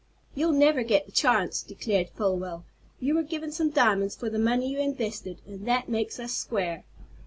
"You'll never get the chance!" declared Folwell. "You were given some diamonds for the money you invested, and that makes us square."